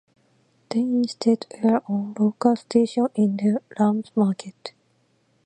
They instead air on local stations in the Rams' market.